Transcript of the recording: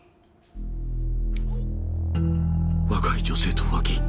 「若い女性と浮気！」